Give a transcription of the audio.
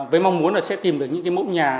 với mong muốn là sẽ tìm được những cái mẫu nhà